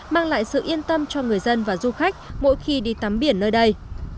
mang lại sự yên tâm cho người dân và du khách mỗi khi đi tắm biển nơi đây